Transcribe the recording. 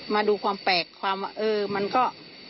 มาดูความแปลกความว่าเออมันก็